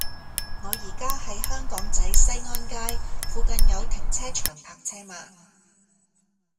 我依家喺香港仔西安街，附近有停車場泊車嗎